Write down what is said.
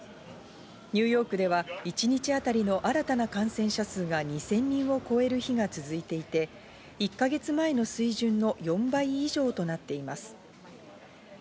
ニューヨークでは一日当たりの新たな感染者数が２０００人を超える日が続いていて、１か月前の水準の４倍以上となっています。